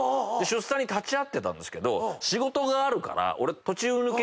出産に立ち会ってたんですけど仕事があるから俺途中抜けして。